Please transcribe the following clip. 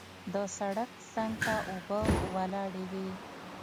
د سړک څنګ ته اوبه ولاړې وې.